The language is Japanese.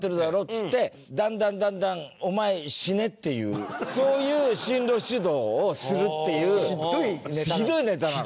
っつってだんだんだんだん「お前死ね」っていうそういう進路指導をするっていうひどいネタなの。